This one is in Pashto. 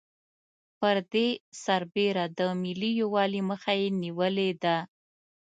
پر دې سربېره د ملي یوالي مخه یې نېولې ده.